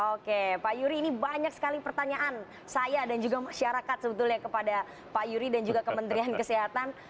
oke pak yuri ini banyak sekali pertanyaan saya dan juga masyarakat sebetulnya kepada pak yuri dan juga kementerian kesehatan